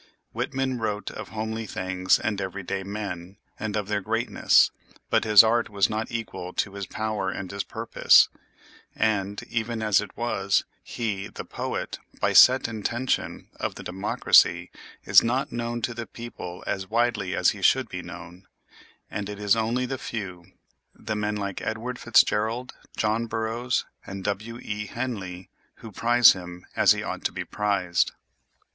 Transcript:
Whitman wrote of homely things and every day men, and of their greatness, but his art was not equal to his power and his purpose; and, even as it was, he, the poet, by set intention, of the democracy, is not known to the people as widely as he should be known; and it is only the few—the men like Edward FitzGerald, John Burroughs, and W. E. Henley—who prize him as he ought to be prized.